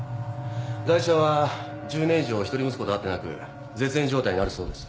ガイ者は１０年以上１人息子と会ってなく絶縁状態にあるそうです。